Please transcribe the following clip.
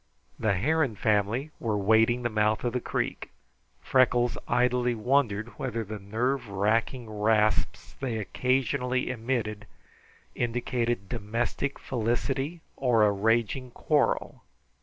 The heron family were wading the mouth of the creek. Freckles idly wondered whether the nerve racking rasps they occasionally emitted indicated domestic felicity or a raging quarrel.